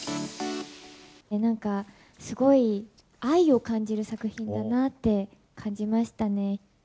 なんかすごい愛を感じる作品だなって感じましたね。